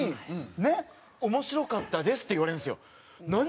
「面白かったです」って言われるんですよ。